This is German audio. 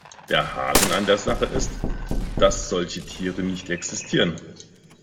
Der Haken an der Sache ist, dass solche Tiere nicht existieren.